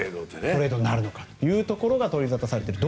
トレードになるのかというところが取り沙汰されている。